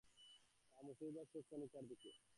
আর মুক্তিযোদ্ধার চোখও কণিকার দিকে।